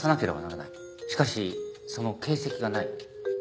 しかしその形跡がない。